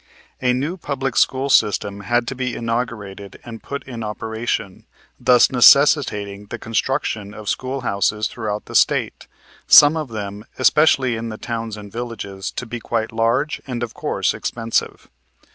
A new public school system had to be inaugurated and put in operation, thus necessitating the construction of schoolhouses throughout the State, some of them, especially in the towns and villages, to be quite large and of course expensive.